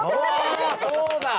あそうだ！